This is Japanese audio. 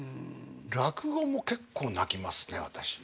落語も結構泣きますね私。